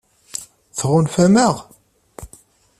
Tɣunfam-aɣ?